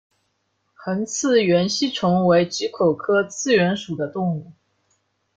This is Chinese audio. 鸻刺缘吸虫为棘口科刺缘属的动物。